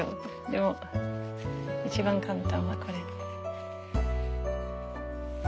でも一番簡単はこれ。